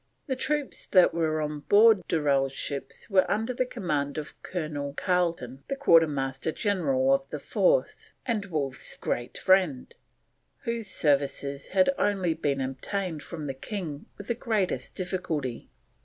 The troops that were on board Durell's ships were under the command of Colonel Carleton, the Quartermaster General of the force, and Wolfe's great friend, whose services had only been obtained from the king with the greatest difficulty.